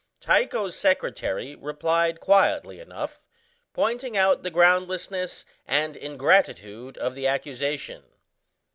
Tycho's secretary replied quietly enough, pointing out the groundlessness and ingratitude of the accusation.